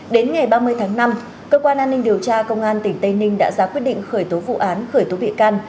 đến ngày ba mươi tháng năm cơ quan an ninh điều tra công an tỉnh tây ninh đã ra quyết định khởi tố vụ án khởi tố bị can